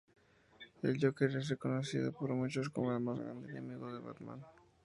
El Joker es reconocido por muchos como el más grande enemigo de Batman.